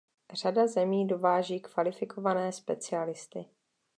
Řada zemí dováží kvalifikované specialisty.